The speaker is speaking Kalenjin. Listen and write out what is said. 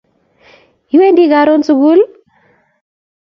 Iwendi karoon sugul?